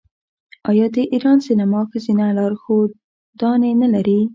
آیا د ایران سینما ښځینه لارښودانې نلري؟